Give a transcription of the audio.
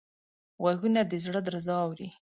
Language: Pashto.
غوږونه د زړه درزا اوري